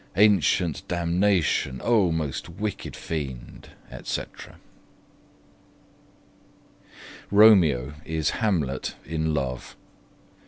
'Ancient damnation! oh most wicked fiend', &c. Romeo is Hamlet in love.